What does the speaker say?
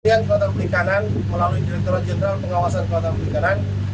pembelian kuota beli kanan melalui direkturat jenderal pengawasan kuota beli kanan